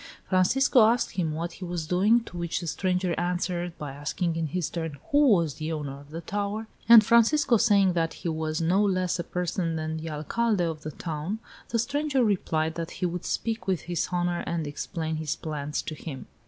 Francisco asked him what he was doing, to which the stranger answered by asking in his turn who was the owner of the tower, and Francisco saying that he was no less a person than the Alcalde of the town, the stranger replied that he would speak with his honor and explain his plans to him.